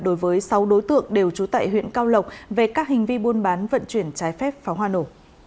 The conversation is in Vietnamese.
đối với sáu đối tượng đều trú tại huyện cao lộc về các hành vi buôn bán vận chuyển trái phép pháo hoa nổ